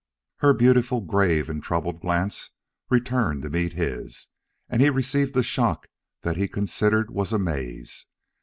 Her beautiful, grave, and troubled glance returned to meet his, and he received a shock that he considered was amaze.